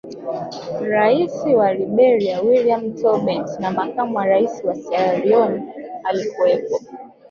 Rais wa Liberia William Tolbert na makamu wa Rais wa sierra Leone alikuwepo